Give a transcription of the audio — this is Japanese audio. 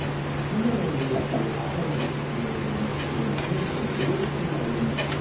雲の様子、朝の様子を見ますと日本海に大きな渦巻き。